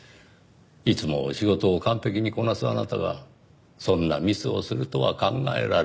いつも仕事を完璧にこなすあなたがそんなミスをするとは考えられない。